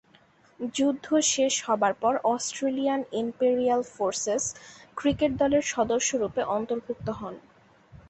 যুদ্ধ শেষ হবার পর অস্ট্রেলিয়ান ইম্পেরিয়াল ফোর্সেস ক্রিকেট দলের সদস্যরূপে অন্তর্ভুক্ত হন।